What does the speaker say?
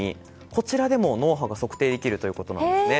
こちらでも脳波が測定できるということです。